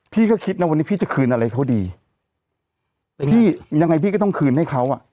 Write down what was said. พี่ก็คิดนะวันนี้พี่จะคืนอะไรเขาดีพี่ยังไงพี่ก็ต้องคืนให้เขาอ่ะ